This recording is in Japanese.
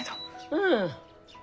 うん。